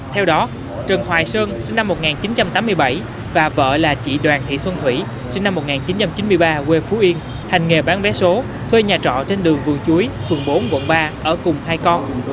theo đó trần hoài sơn sinh năm một nghìn chín trăm tám mươi bảy và vợ là chị đoàn thị xuân thủy sinh năm một nghìn chín trăm chín mươi ba quê phú yên hành nghề bán vé số thuê nhà trọ trên đường vườn chuối phường bốn quận ba ở cùng hai con